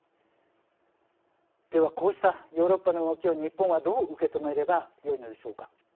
ではこうしたヨーロッパの動きを日本は、どう受け止めればよいのでしょうか。